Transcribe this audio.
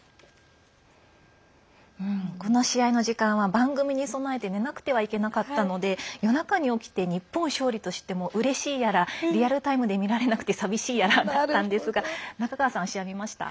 この試合の時間は番組に備えて寝なくてはいけなかったので夜中に起きて日本勝利と知ってもうれしいやらリアルタイムで見られなくてさびしいやらだったんですが中川さんは試合見ました？